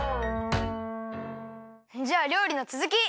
じゃありょうりのつづき！